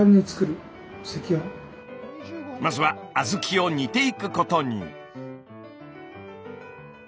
まずは小豆を煮ていくことに。